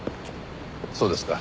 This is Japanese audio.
そうですか。